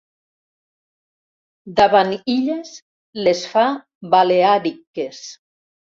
Davant Illes les fa baleàricques.